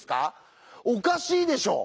おかしいでしょ！